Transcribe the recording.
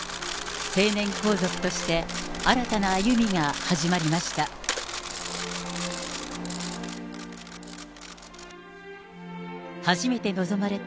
成年皇族として新たな歩みが始まりました。